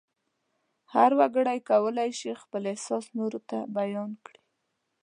هر وګړی کولای شي خپل احساس نورو ته بیان کړي.